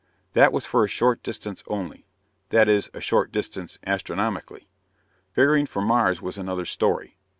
"That was for a short distance only that is, a short distance astronomically. Figuring for Mars was another story.